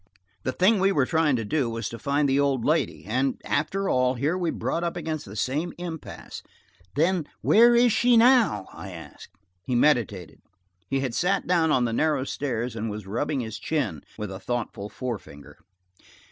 The thing we were trying to do was to find the old lady, and, after all, here we brought up against the same impasse. "Then where is she now?" I asked. He meditated. He had sat down on the narrow stairs, and was rubbing his chin with a thoughtful forefinger.